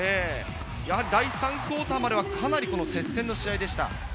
第３クオーターまではかなり接戦の試合でした。